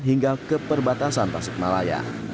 hingga ke perbatasan tasik malaya